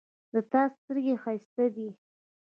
د تا سترګې ښایسته دي